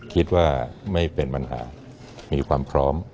คิดว่าไม่เป็นปัญหามีความพร้อม